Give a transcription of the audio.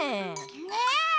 ねえ。